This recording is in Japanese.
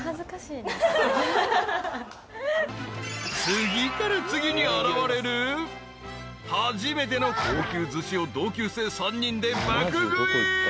［次から次に現れる初めての高級ずしを同級生３人で爆食い］